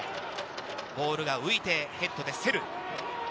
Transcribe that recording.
ボールが浮いてヘッドで競る。